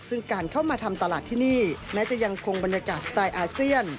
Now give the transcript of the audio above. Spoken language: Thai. ซึ่งการเข้ามาทำตลาดที่นี่แม้จะยังคงบรรยากาศสไตล์อาเซียน